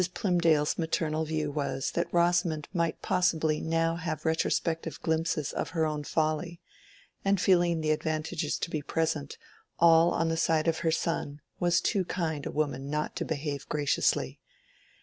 Plymdale's maternal view was, that Rosamond might possibly now have retrospective glimpses of her own folly; and feeling the advantages to be at present all on the side of her son, was too kind a woman not to behave graciously.